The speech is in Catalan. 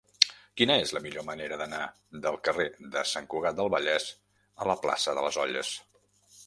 Quina és la millor manera d'anar del carrer de Sant Cugat del Vallès a la plaça de les Olles?